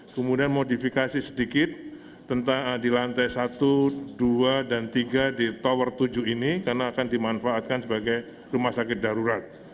kemudian modifikasi sedikit di lantai satu dua dan tiga di tower tujuh ini karena akan dimanfaatkan sebagai rumah sakit darurat